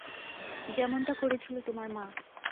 যেমনটা করেছিল তোমার মা।